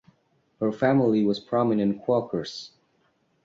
Her family were prominent Quakers.